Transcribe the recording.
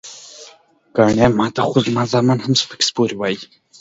ګني ماته خو زما زامن هم سپکې سپورې وائي" ـ